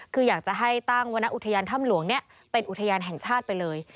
คืออยากจะให้ตั้งวรรณอุทยานถ้ำหลวงเป็นอุทยานแห่งชาติไปเลย